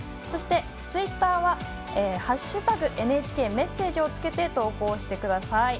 そして、ツイッターは「＃ＮＨＫメッセージ」をつけて投稿してください。